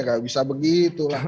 gak bisa begitu lah